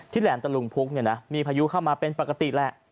แหลมตะลุมพุกเนี่ยนะมีพายุเข้ามาเป็นปกติแหละ